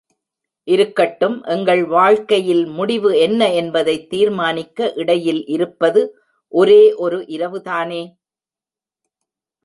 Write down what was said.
இருக்கட்டும் எங்கள் வாழ்க்கையில் முடிவு என்ன என்பதைத் தீர்மானிக்க இடையில் இருப்பது, ஒரே ஒரு இரவுதானே?